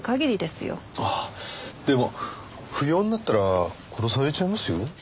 ああでも不要になったら殺されちゃいますよ。